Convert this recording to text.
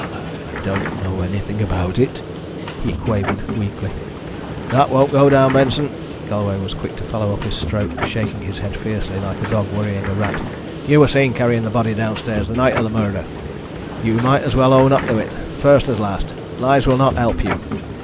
"I don't know anything about it," he quavered weakly. "That won't go down, Benson!" Galloway was quick to follow up his stroke, shaking his head fiercely, like a dog worrying a rat. "You were seen carrying the body downstairs, the night of the murder. You might as well own up to it, first as last. Lies will not help you.